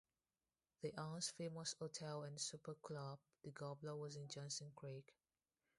The once famous hotel and supper club, The Gobbler, was in Johnson Creek.